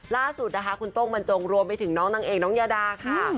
ล่าสุดนะคะคุณโต้งบรรจงรวมไปถึงน้องนางเอกน้องยาดาค่ะ